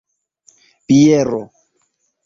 biero